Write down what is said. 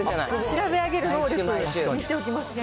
調べあげる能力にしておきますね。